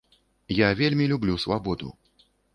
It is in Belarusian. Я вельмі люблю свабоду.